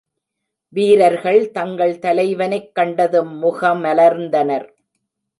வீரர்கள் தங்கள் தலைவனைக் கண்டதும் முகமலர்ந்தனர்.